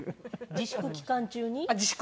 自粛期間中にはい。